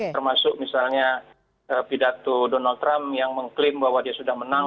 termasuk misalnya pidato donald trump yang mengklaim bahwa dia sudah menang